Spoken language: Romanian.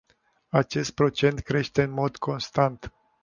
Acest procent crește în mod constant.